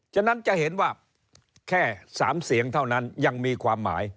ฉะนั้นจะเห็นว่าแค่๓เสียงเท่านั้นยังมีความหมาย